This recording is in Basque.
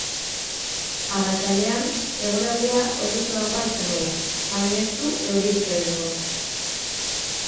Arratsaldean, eguraldia hodeitsuagoa izango da, baina ez du euririk egingo.